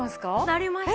なりました。